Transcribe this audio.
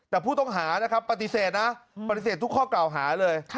แต่ผู้ต้องหานะครับปฏิเสธนะปฏิเสธทุกข้อกล่าวหาเลย